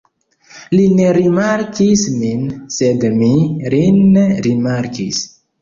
Li ne rimarkis min, sed mi – lin rimarkis.